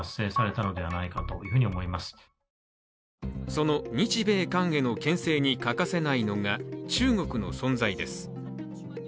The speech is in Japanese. その日米韓へのけん制に欠かせないのが中国の存在です。